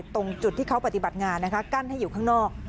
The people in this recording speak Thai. ตรงจุดที่เขาปฏิบัติงานนะคะกั้นให้อยู่ข้างนอก